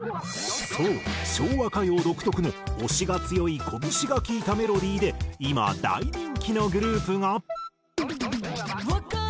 そう昭和歌謡独特の押しが強いこぶしがきいたメロディーで今大人気のグループが。